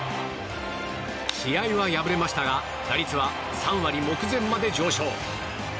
試合は敗れましたが打率は３割目前まで上昇。